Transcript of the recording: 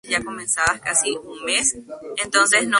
A mediados de los años cuarenta cursó estudios de Filosofía y Letras.